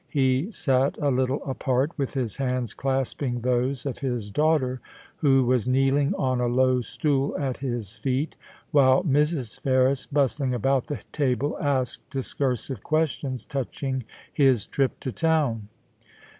He sat a little apart, with his hands clasping those of his daughter, who was kneeling on a low stool at his feet, while Mrs. Ferris, bustling about the table, asked discursive questions touching his trip to town..